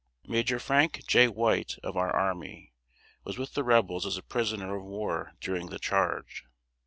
Major Frank J. White, of our army, was with the Rebels as a prisoner of war during the charge.